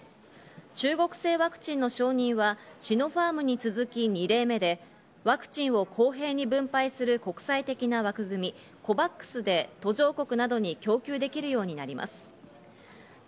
中国製ワクチンの承認は、シノファームに続き２例目で、ワクチンを公平に分配する国際的な枠組み、ＣＯＶＡＸで途上国などに供給できるようになります。